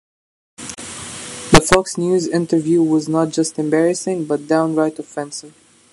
The Fox News interview was not just embarrassing but downright offensive.